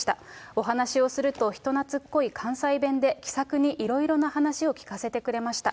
お話をすると、人懐っこい関西弁で、気さくにいろいろな話を聞かせてくれました。